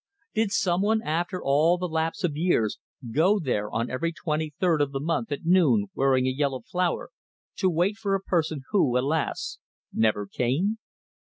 Did someone, after all the lapse of years, go there on every twenty third of the month at noon wearing a yellow flower, to wait for a person who, alas! never came?